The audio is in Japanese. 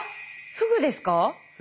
フグです。